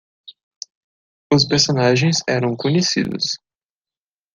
Os personagens eram conhecidos.